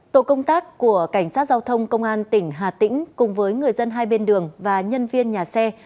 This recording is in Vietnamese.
tổ công tác của cảnh sát giao thông công an tỉnh hà tĩnh cùng với người dân hai bên đường và nhân viên nhà xe